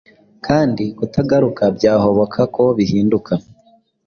Kandi kutagaruka byahoboka ko bihinduka